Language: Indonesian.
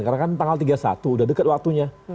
karena kan tanggal tiga puluh satu sudah dekat waktunya